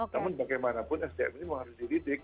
namun bagaimanapun sdm ini memang harus dididik